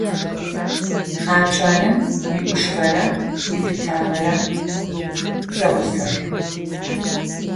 А кӏалэм иӏушыгъэрэ ипытагъэрэ зэгъусэх.